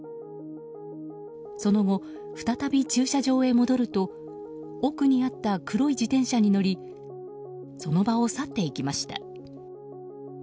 その後、再び駐車場へ戻ると奥にあった黒い自転車に乗りその場を去っていきました。